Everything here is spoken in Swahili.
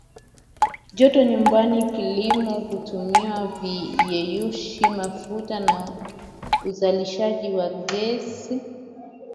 joto nyumbani kilimo kutumia viyeyushi mafuta na uzalishaji wa ges